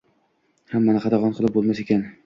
hammani qatag‘on qilib bo‘lmas ekan.